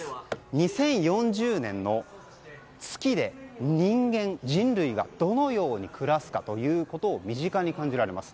２０４０年の月で人間、人類がどのように暮らすかということを身近に感じられます。